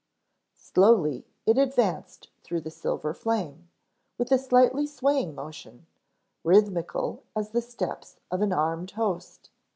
Slowly it advanced through the silver flame, with a slightly swaying motion, rhythmical as the steps of an armed host.